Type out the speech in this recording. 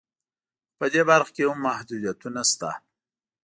خو په دې برخه کې هم محدودیتونه شته